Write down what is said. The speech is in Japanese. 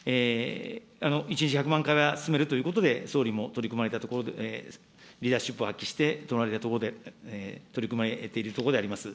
１日１００万回は進めるということで、総理も取り組まれたところで、リーダーシップを発揮して、取り組まれているところであります。